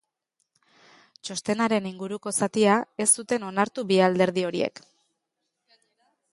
Txostenaren inguruko zatia ez zuten onartu bi alderdi horiek.